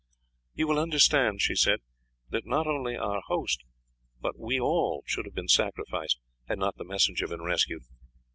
"You will understand," she said, "that not only our host but we all should have been sacrificed had not the messenger been rescued.